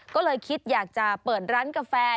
ก็เลยคิดอยากจะเปิดร้านกาแฟ